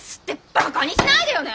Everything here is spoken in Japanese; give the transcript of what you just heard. バカにしないでよね！